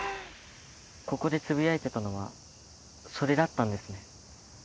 ここでつぶやいてたのはそれだったんですね。